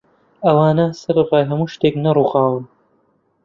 ئەوانە سەرەڕای هەموو شتێک نەڕووخاون